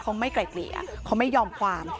เขาไม่ไกลเกลี่ยเขาไม่ยอมความ